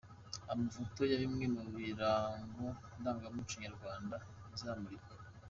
Amafoto ya bimwe mu birango ndangamuco Nyarwanda bizamurikwa.